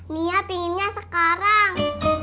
nia pinginnya sekarang